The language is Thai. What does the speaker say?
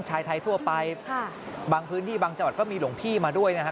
ชายไทยทั่วไปบางพื้นที่บางจังหวัดก็มีหลวงพี่มาด้วยนะครับ